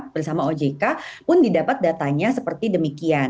bersama ojk pun didapat datanya seperti demikian